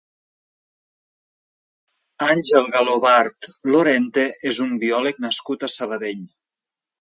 Àngel Galobart Lorente és un biòleg nascut a Sabadell.